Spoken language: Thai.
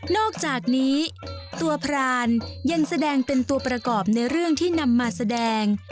อกจากนี้ตัวพรานยังแสดงเป็นตัวประกอบในเรื่องที่นำมาแสดง